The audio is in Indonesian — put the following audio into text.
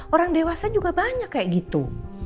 orang dewasa juga banyak kayak gitu